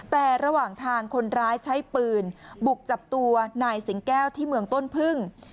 แต่ระหว่างทางคนร้ายใช้ปืนบุกจับตัวนายสิงแก้วที่เมืองต้นพึ่ง